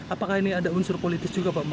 apakah ini ada unsur politis juga pak